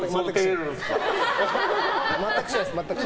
全くしないです。